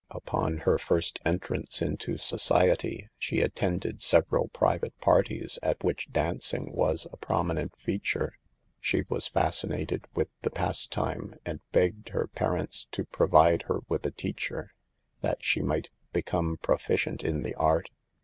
Upon her first entrance into society she attended several private parties at which dancing was a prominent feature. She was fascinated with the pastime and begged her parents to provide her with a teacher, that she might become proficient in the art.